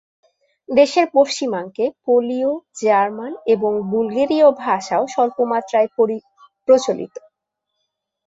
দেশের পশ্চিমাংশে পোলীয়, জার্মান এবং বুলগেরীয় ভাষাও স্বল্পমাত্রায় প্রচলিত।